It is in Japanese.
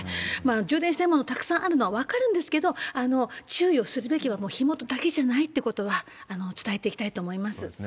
充電してるものがたくさんあるのは分かるんですけど、注意をするべきは火元だけじゃないってことは伝えていきたいと思そうですね。